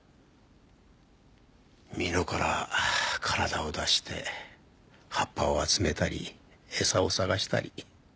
ミノから体を出して葉っぱを集めたり餌を探したり。